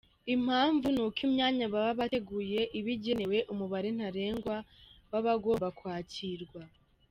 Impamvu ni uko imyanya baba bateguye iba igenewe umubare ntarengwa w’abagomba kwakirwa.